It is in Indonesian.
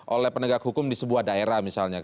oleh penegak hukum di sebuah daerah misalnya